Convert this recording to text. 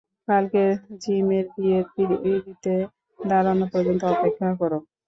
কালকে জিমেরবিয়ের পিড়িতে দাঁড়ানো পর্যন্ত অপেক্ষা করো।